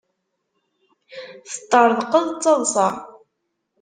Teṭṭerḍqeḍ d taḍsa.